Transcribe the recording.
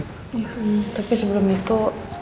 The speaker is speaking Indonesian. ya tapi sebelum itu